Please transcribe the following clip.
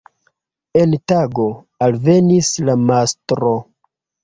En tago, alvenis la mastro.